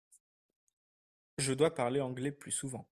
Je dois parler anglais plus souvent.